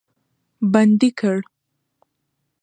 بندي کړ.